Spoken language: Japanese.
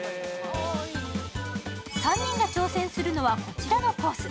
３人が挑戦するのはこちらのコース